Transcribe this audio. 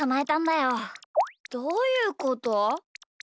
どういうこと？